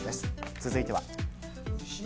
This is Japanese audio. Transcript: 続いては。